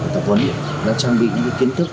tập huấn đã trang bị những kiến thức